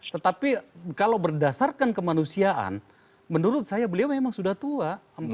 tetapi kalau berdasarkan kemanusiaan menurut saya beliau memang sudah tua